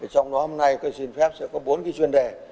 trong đó hôm nay tôi xin phép sẽ có bốn cái chuyên đề